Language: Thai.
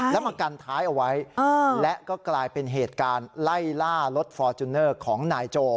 แล้วมากันท้ายเอาไว้และก็กลายเป็นเหตุการณ์ไล่ล่ารถฟอร์จูเนอร์ของนายโจ